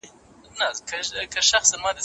د شاه شجاع د قتلېدلو وطن